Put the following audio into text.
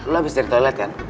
lo abis dari toilet kan